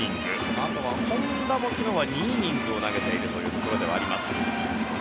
あとは本田も昨日は２イニングを投げているというところではあります。